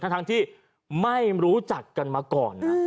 ทั้งที่ไม่รู้จักกันมาก่อนนะ